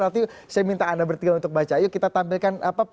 nanti saya minta anda bertiga untuk baca yuk kita tampilkan